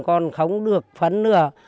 còn không được phấn nữa